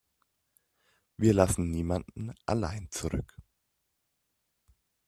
Wir lassen niemanden allein zurück.